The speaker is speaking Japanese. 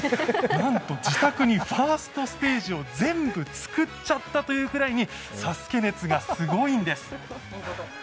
なんと自宅にファーストステージを全部つくっちゃったというくらいに「ＳＡＳＵＫＥ」熱がすごいんです。